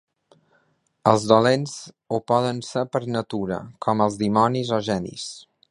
Els dolents ho poden ser per natura, com els dimonis o genis.